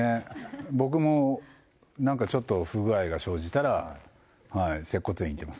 僕もなんかちょっと不具合が生じたら、接骨院行ってます。